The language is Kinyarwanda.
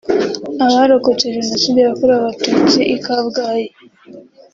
Abarokotse Jenoside yakorewe Abatutsi i Kabgayi